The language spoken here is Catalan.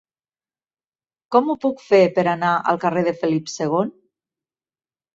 Com ho puc fer per anar al carrer de Felip II?